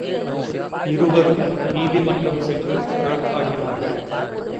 இருவரும் நீதிமன்றம் சென்று வழக்காடினார்கள்.